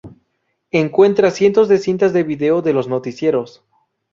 Encuentran cientos de cintas de vídeo de los noticieros.